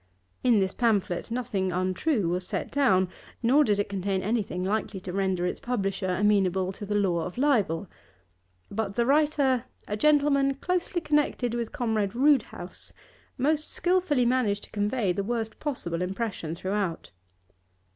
In this pamphlet nothing untrue was set down, nor did it contain anything likely to render its publisher amenable to the law of libel; but the writer, a gentleman closely connected with Comrade Roodhouse, most skilfully managed to convey the worst possible impression throughout.